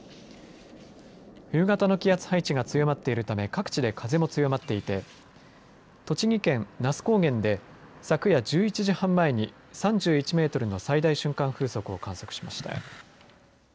冬型の気圧配置が強まっているため各地で風も強まっていて栃木県那須高原で昨夜１１時半前に３１メートルの最大瞬間風速を観測しました。